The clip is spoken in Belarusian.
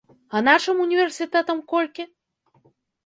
А нашым універсітэтам колькі?